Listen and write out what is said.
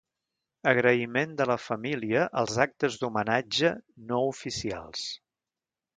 Agraïment de la família als actes d’homenatge ‘no oficials’